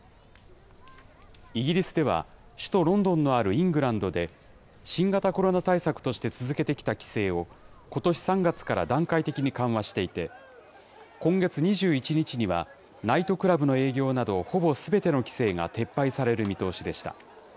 イギリスでは、首都ロンドンのあるイングランドで、新型コロナ対策として続けてきた規制を、ことし３月から段階的に緩和していて、今月２１日には、ナイトクラブの営業などほぼすべての規制が撤廃される見通しでした。